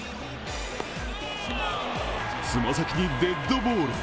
爪先にデッドボール。